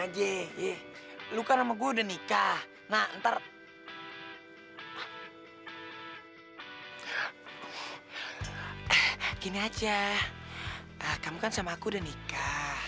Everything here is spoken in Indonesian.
clear kan masalahnya